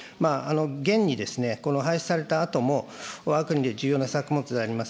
げんに廃止されたあとも、わが国で重要な作物であります